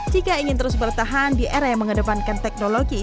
jika ingin terus bertahan di era yang mengedepankan teknologi